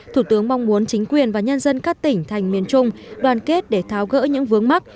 thủ tướng mong muốn chính quyền và nhân dân các tỉnh thành miền trung đoàn kết để tháo gỡ những vướng mắt